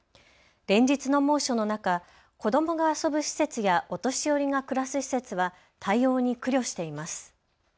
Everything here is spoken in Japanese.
連日の猛暑の中子どもが遊ぶ施設やお年寄りが暮らす施設は対応に苦慮しています。